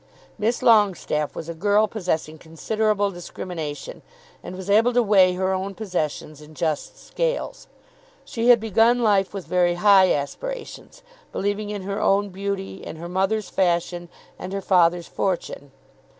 Miss Longestaffe was a girl possessing considerable discrimination, and was able to weigh her own possessions in just scales. She had begun life with very high aspirations, believing in her own beauty, in her mother's fashion, and her father's fortune.